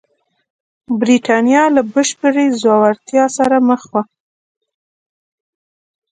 برېټانیا له بشپړې ځوړتیا سره مخ وه.